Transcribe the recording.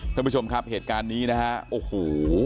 ท่านผู้ชมครับเหตุการณ์นี้นะฮะโอ้โห